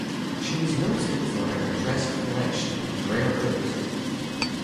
She was noted for her impressive collection of rare books.